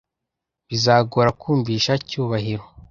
Bizagora kumvisha Cyubahiro.